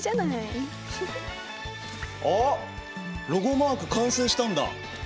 あっロゴマーク完成したんだ。